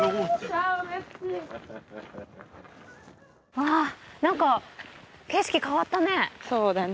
ああ何か景色変わったね。